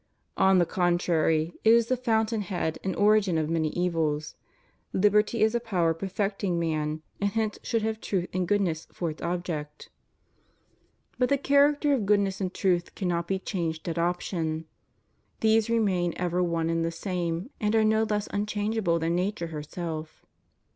On the contrary, it is the fountain head and origin of many evils. Liberty is a power perfecting man, and hence should hav« truth and goodness for its object. 124 CHRISTIAN CONSTITUTION OF STATES. But the character of goodness and truth cannot be changed at option. These remain ever one and the same, and are no less unchangeable than Nature herself.